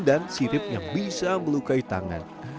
dan sirip yang bisa melukai tangan